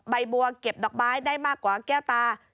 ใบบัวเก็บดอกไม้ได้มากกว่าแก้วตา